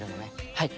はい。